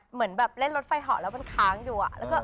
เหมือนแบบเล่นรถไฟเหาะแล้วมันค้างอยู่